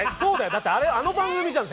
だってあの番組じゃん絶対。